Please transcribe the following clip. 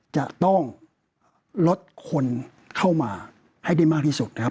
จะต้องลดคนเข้ามาให้ได้มากที่สุดนะครับ